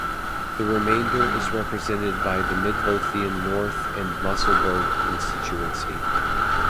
The remainder is represented by the Midlothian North and Musselburgh constituency.